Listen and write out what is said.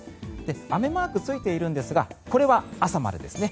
雨マークついているんですがこれは朝までですね。